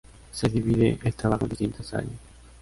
Se divide el trabajo en distintas áreas.